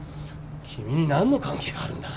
君に何の関係があるんだ。